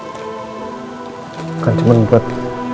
bukan cuman buat